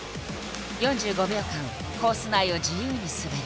４５秒間コース内を自由に滑る。